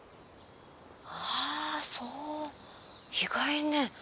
あそう意外ね。